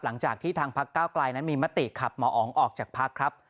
หลังจากที่ทางพักเก้าไกลนั้นมีมติขับหมออ๋องออกจากพักครับ